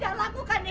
kamu gak dari a